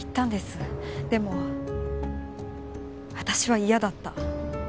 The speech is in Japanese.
でも私は嫌だった。